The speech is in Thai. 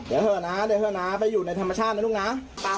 เดี๋ยวเถอะนะไปอยู่ในธรรมชาตินะลูกน้ำ